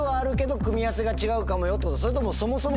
それともそもそも。